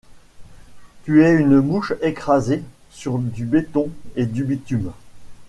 Tu es une mouche écrasée sur du béton et du bitume.